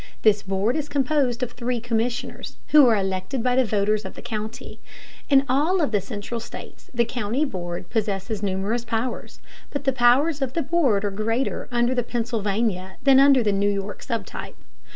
This board is composed of three commissioners, who are elected by the voters of the county. In all of the Central states the county board possesses numerous powers, but the powers of the board are greater under the Pennsylvania than under the New York sub type.